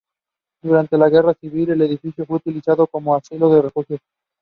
They lost to eventual national champions Baylor in the Final Four.